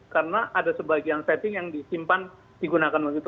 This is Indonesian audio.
karena ada sebagian setting yang disimpan digunakan begitu